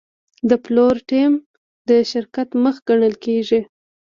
د پلور ټیم د شرکت مخ ګڼل کېږي.